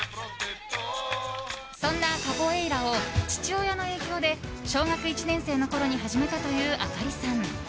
そんなカポエイラを父親の影響で小学１年生のころに始めたというあかりさん。